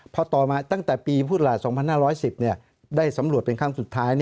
พอต่อมาตั้งแต่ปีพุทธราช๒๕๑๐ได้สำรวจเป็นครั้งสุดท้าย